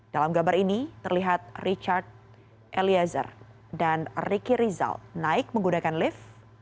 dalam gambar ini terlihat richard eliezer dan ricky rizal naik menggunakan lift